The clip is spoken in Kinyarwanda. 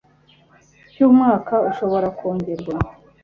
cy umwaka ushobora kongerwa